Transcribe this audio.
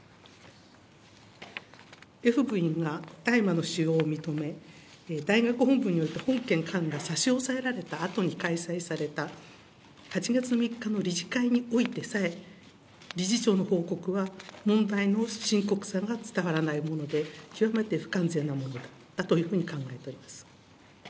Ｆ部員が大麻の使用を認め、大学本部によると本件缶が差し押さえられたあとに開催された８月３日の理事会においてさえ、理事長の報告は問題の深刻さが伝わらないもので、極めて不完全なものだったというふうに考えています。